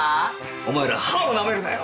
お前ら歯をなめるなよ！